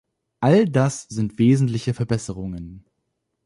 All das sind wesentliche Verbesserungen.